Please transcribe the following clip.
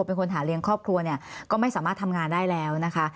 เป็นคนหาเลี้ยงครอบครัวเนี่ยก็ไม่สามารถทำงานได้แล้วนะคะ